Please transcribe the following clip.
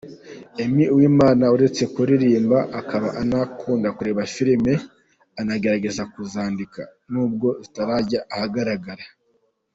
Aime Uwimana uretse kuririmba akaba anakunda kwirebera filime, anagerageza kuzandika n'ubwo zitarajya ahagaragara.